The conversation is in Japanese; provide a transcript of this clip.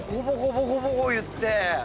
ボコボコいって。